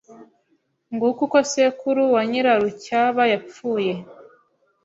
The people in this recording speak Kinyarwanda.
Nguko uko sekuru wa Nyirarucyaba yapfuye